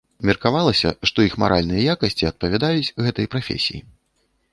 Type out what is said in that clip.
Меркавалася, што іх маральныя якасці адпавядаюць гэтай прафесіі.